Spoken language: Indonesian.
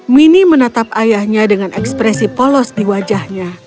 mini menatap ayahnya dengan ekspresi polos di wajahnya